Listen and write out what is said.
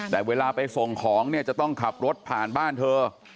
แต่เวลาไปส่งของเนี่ยจะต้องขับรถผ่านบ้านเธอ